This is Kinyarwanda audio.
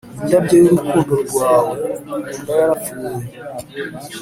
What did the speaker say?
indabyo y'urukundo rwawe ukunda yarapfuye;